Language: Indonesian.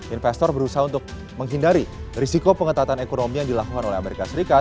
investor berusaha untuk menghindari risiko pengetatan ekonomi yang dilakukan oleh amerika serikat